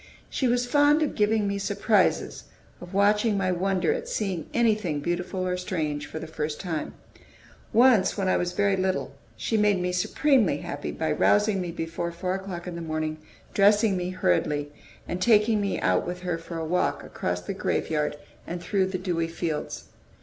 She was fond of giving me surprises, of watching my wonder at seeing anything beautiful or strange for the first time. Once, when I was very little, she made me supremely happy by rousing me before four o'clock in the morning, dressing me hurriedly, and taking me out with her for a walk across the graveyard and through the dewy fields.